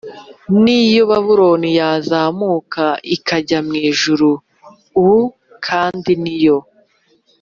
Niyo Babuloni yazamuka ikajya mu ijuru u kandi niyo